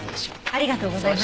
ありがとうございます。